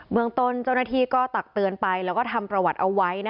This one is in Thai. เมืองต้นเจ้าหน้าที่ก็ตักเตือนไปแล้วก็ทำประวัติเอาไว้